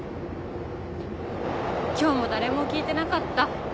今日も誰も聴いてなかった。